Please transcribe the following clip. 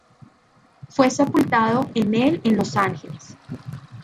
Fue sepultado en el en Los Ángeles.